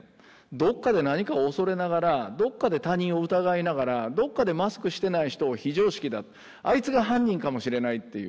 どっかで何かを恐れながらどっかで他人を疑いながらどっかでマスクしてない人を「非常識だあいつが犯人かもしれない」っていう。